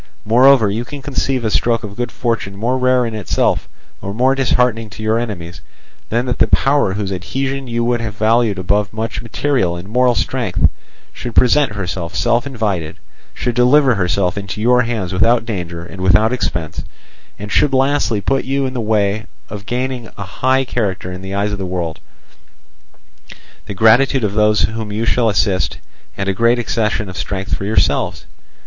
Moreover, can you conceive a stroke of good fortune more rare in itself, or more disheartening to your enemies, than that the power whose adhesion you would have valued above much material and moral strength should present herself self invited, should deliver herself into your hands without danger and without expense, and should lastly put you in the way of gaining a high character in the eyes of the world, the gratitude of those whom you shall assist, and a great accession of strength for yourselves?